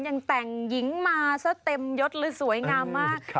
ยังแต่งหญิงมาซะเต็มยดเลยสวยงามมาก